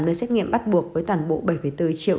nơi xét nghiệm bắt buộc với toàn bộ bảy bốn triệu